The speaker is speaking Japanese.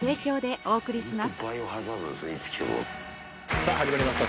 さぁ始まりました